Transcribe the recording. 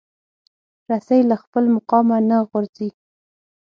رسۍ له خپل مقامه نه غورځي.